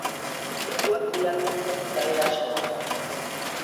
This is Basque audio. Eguerdian gertatu da erasoa.